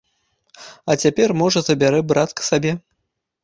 А цяпер, можа, забярэ брат к сабе.